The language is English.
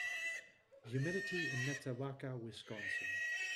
humidity in Netawaka Wisconsin